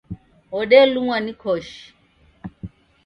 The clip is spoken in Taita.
Wodelumwa ni koshi